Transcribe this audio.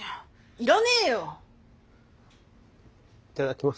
いただきます。